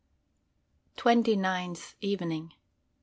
TWENTY NINTH EVENING.